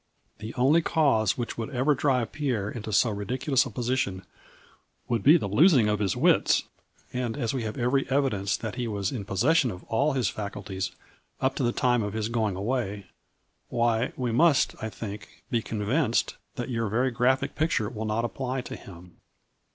The only cause which would ever drive Pierre into so ridiculous a position would be the losing of his wits, and, as we have every evidence that he was in posses sion of all his faculties up to the time of his going away, why, we must, I think, be convinc ed that your very graphic picture will not apply to him."